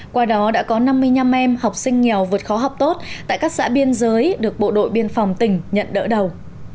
qua đó đã có năm mươi năm em học sinh nghèo vượt khó học tốt tại các xã biên giới được bộ đội biên phòng tỉnh nhận đỡ đầu